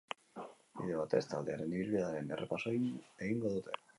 Bide batez, taldearen ibilbidearen errepasoa egingo dute.